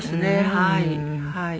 はいはい。